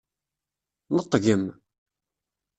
Neṭgem!